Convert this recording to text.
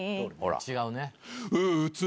違うね。